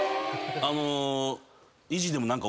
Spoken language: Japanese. あの。